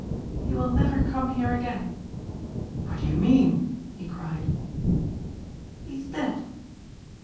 "He will never come here again." "What do you mean?" he cried. "He's dead."